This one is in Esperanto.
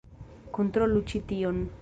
Kontrolu ĉi tion!